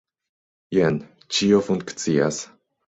Jen, ĉio funkcias.